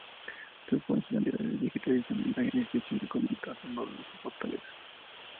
Sus funcionalidades de digitalización de imágenes y gestión documental son dos de sus fortalezas.